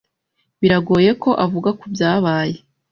Biragoye ko avuga kubyabaye.